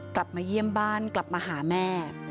กลับมาเยี่ยมบ้านกลับมาหาแม่